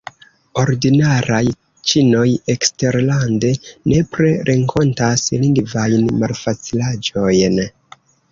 Ordinaraj ĉinoj eksterlande nepre renkontas lingvajn malfacilaĵojn.